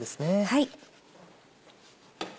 はい。